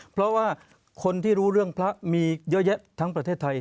เพราะว่าคนที่รู้เรื่องพระมีเยอะแยะทั้งประเทศไทย